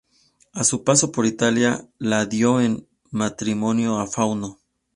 A su paso por Italia, la dio en matrimonio a Fauno.